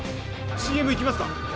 ＣＭいきますか？